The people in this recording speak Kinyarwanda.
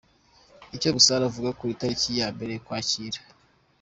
Icyo Musare avuga ku itariki ya Mbere Ukwakira